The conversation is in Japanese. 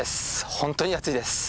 本当に暑いです。